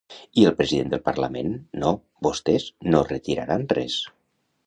I el president del parlament: No, vostès no retiraran res.